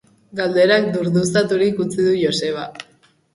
Galderak durduzaturik utzi du Joseba.